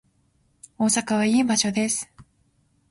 大阪はいい場所です